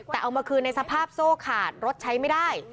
แต่เอามาคืนในสภาพโซ่ขาดรถใช้ไม่ได้